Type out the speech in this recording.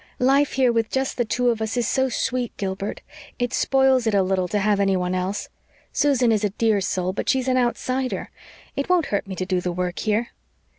"Life here with just the two of us is so sweet, Gilbert. It spoils it a little to have anyone else. Susan is a dear soul, but she is an outsider. It won't hurt me to do the work here."